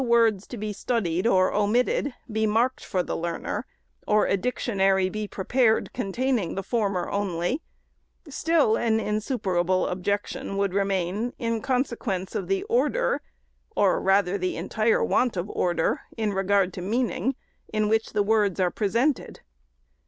551 words to be studied or omitted be marked for the learner, or a dictionary be prepared, containing the for mer only ; still an insuperable objection would remain, in consequence of the order, or rather the entire want of order, in regard to meaning, in which the words are presented.